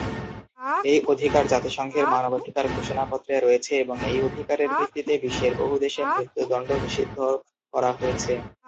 এই অধিকার জাতিসংঘের মানবাধিকার-ঘোষণাপত্রে রয়েছে এবং এই অধিকারের ভিত্তিতে বিশ্বের বহু দেশে মৃত্যুদণ্ড নিষিদ্ধ করা হয়েছে।